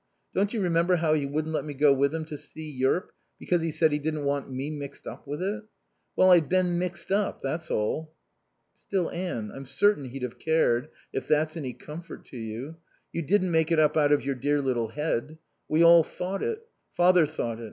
Don't you remember how he wouldn't let me go with him to see Yearp because he said he didn't want me mixed up with it. Well I've been mixed up, that's all." "Still, Anne, I'm certain he'd have cared if that's any comfort to you. You didn't make it up out of your dear little head. We all thought it. Father thought it.